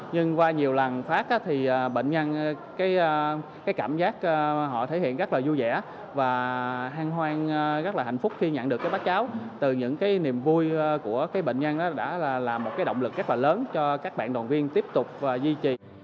nhưng qua nhiều lần phát thì bệnh nhân cảm giác họ thể hiện rất là vui vẻ và hăng hoang rất là hạnh phúc khi nhận được bắt cáo từ những niềm vui của bệnh nhân đã là một động lực rất là lớn cho các bạn đoàn viên tiếp tục và duy trì